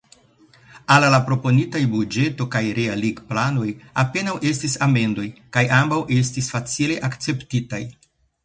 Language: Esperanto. Al la proponitaj buĝeto kaj realigplanoj apenaŭ estis amendoj, kaj ambaŭ estis facile akceptitaj.